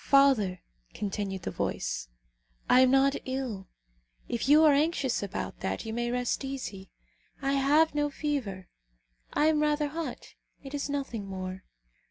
"Father," continued the voice, "I am not ill; if you are anxious about that, you may rest easy. I have no fever. I am rather hot; it is nothing more."